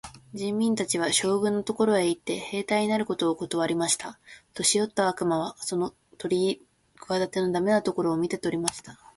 人民たちは、将軍のところへ行って、兵隊になることをことわりました。年よった悪魔はこの企ての駄目なことを見て取りました。